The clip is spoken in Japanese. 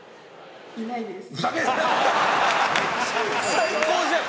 最高じゃん！